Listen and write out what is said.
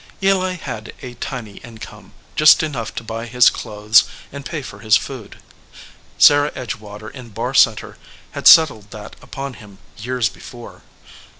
Eli had a tiny income, just enough to buy his clothes and pay for his food. Sarah Edgewater in Barr Center had settled that upon him years before.